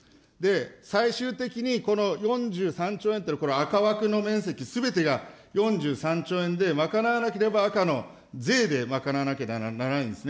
最終的にこの４３兆円というのは、この赤枠の面積すべてが４３兆円で賄わなければ、赤の税で賄わなければならないんですね。